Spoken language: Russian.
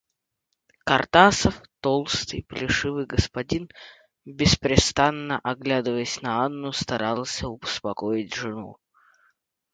Картасов, толстый, плешивый господин, беспрестанно оглядываясь на Анну, старался успокоить жену.